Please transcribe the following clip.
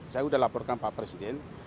saya sudah laporkan pak presiden